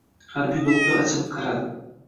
Harbiy do‘xtir achinib qaradi